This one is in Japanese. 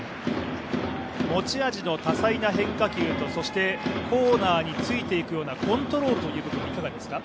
持ち味の多彩な変化球とコーナーをついていくようなコントロールという部分いかがですか？